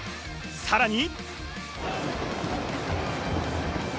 さらに。